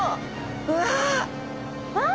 うわ！あっ！